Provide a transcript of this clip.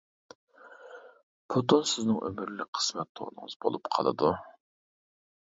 بۇ تون سىزنىڭ ئۆمۈرلۈك قىسمەت تونىڭىز بولۇپ قالىدۇ.